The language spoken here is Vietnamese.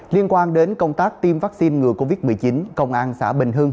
liên quan đến công tác tiêm vaccine ngừa covid một mươi chín công an xã bình hưng